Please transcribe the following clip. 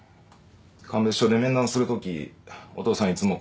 鑑別所で面談する時お父さんいつも